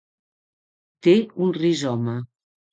Té un rizoma.